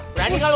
berani gak lo